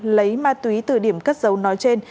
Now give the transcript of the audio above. lấy ma túy từ điểm cất dấu nói trên